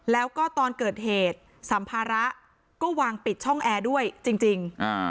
แล้วก็ตอนเกิดเหตุสัมภาระก็วางปิดช่องแอร์ด้วยจริง